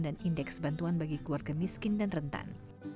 dan indeks bantuan bagi keluarga miskin dan rentan